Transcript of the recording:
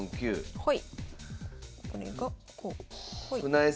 はい。